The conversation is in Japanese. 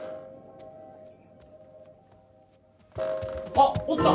あっおった。